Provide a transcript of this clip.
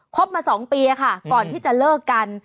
ครบมาสองปีก่อนที่จะเลิกกัน